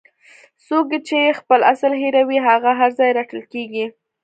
څوک چې خپل اصل هیروي هغه هر ځای رټل کیږي.